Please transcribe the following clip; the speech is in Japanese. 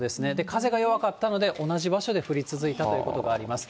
風が弱かったので、同じ場所で降り続いたということがあります。